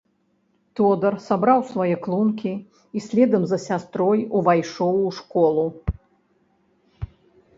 Тодар сабраў свае клункі і следам за сястрою увайшоў у школу.